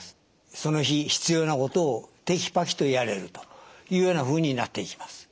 その日必要なことをテキパキとやれるというようなふうになっていきます。